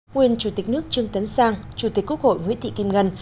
nguyên chủ tịch nước trương tấn sang chủ tịch quốc hội nguyễn thị kim ngân